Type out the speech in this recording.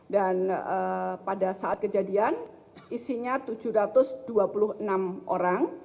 dan pada saat kejadian isinya tujuh ratus dua puluh enam orang